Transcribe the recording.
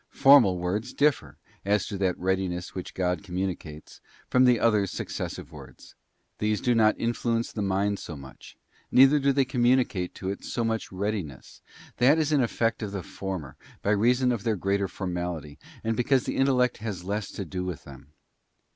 _ Formal Words differ, as to that readiness which God com municates, from the other Successive Words: these do not influence the mind so much, neither do they communicate to _ itso much readiness; that is an effect of the former, by reason of their greater formality, and because the intellect has less to _ dowith them.